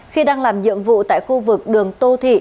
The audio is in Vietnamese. khi đang làm nhiệm vụ tại khu vực đường tô thị